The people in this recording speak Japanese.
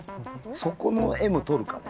そこのＭとるかね